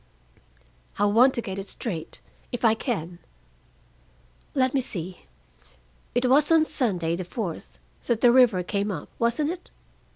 "I want to get it straight, if I can. Let me see. It was on Sunday, the fourth, that the river came up, wasn't it?